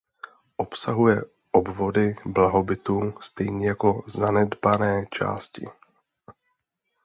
Obsahuje obvody blahobytu stejně jako zanedbané části.